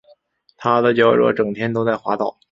他的脚爪整天都在滑倒